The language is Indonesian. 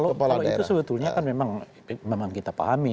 kalau itu sebetulnya kan memang kita pahami